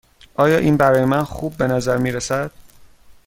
آیا این برای من خوب به نظر می رسد؟